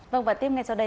vâng và tiếp ngay sau đây